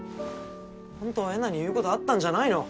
ホントはえなに言うことあったんじゃないの？